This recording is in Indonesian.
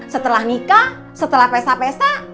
setelah nikah setelah pesta pesta